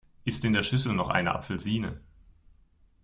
Ist in der Schüssel noch eine Apfelsine?